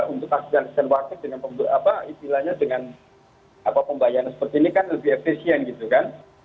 untuk kasus warteg dengan istilahnya dengan pembayaran seperti ini kan lebih efisien gitu kan